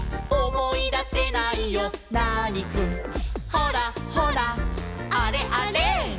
「ほらほらあれあれ」